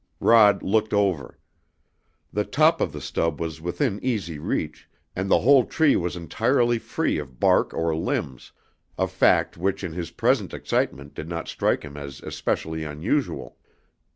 Rod looked over. The top of the stub was within easy reach, and the whole tree was entirely free of bark or limbs, a fact which in his present excitement did not strike him as especially unusual.